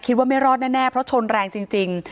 คิดว่าไม่รอดแน่เพราะชนแรงจริง